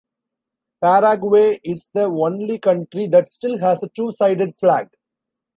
Paraguay is the only country that still has a two-sided flag.